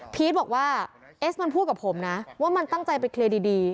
บอกว่าเอสมันพูดกับผมนะว่ามันตั้งใจไปเคลียร์ดี